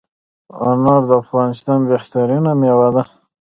انار دافغانستان بهترینه میوه ده